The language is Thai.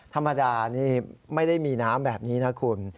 ธรรมดานี่ไม่ได้มีน้ำแบบนี้นะคุณ